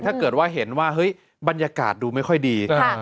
ถ้าเกิดว่าเห็นว่าเฮ้ยบรรยากาศดูไม่ค่อยดี